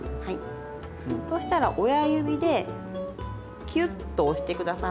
そうしたら親指でキュッと押して下さい。